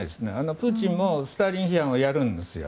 プーチンもスターリン批判をやるんですよ。